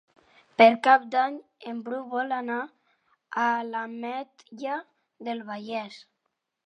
Per Cap d'Any en Bru vol anar a l'Ametlla del Vallès.